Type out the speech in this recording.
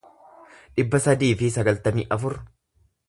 dhibba sadii fi sagaltamii afur